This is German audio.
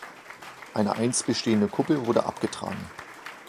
Eine einst bestehende Kuppel wurde abgetragen.